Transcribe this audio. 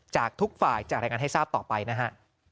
จากทุกฝ่ายจะรายงานให้ทราบต่อไปนะฮะ